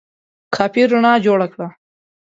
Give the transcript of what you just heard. کافي رڼا جوړه کړه !